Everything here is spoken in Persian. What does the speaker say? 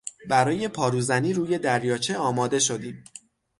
برای پاروزنی روی دریاچه آماده شدیم.